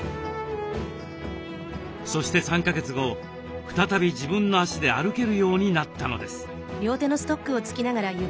そして３か月後再び自分の足で歩けるようになったのです。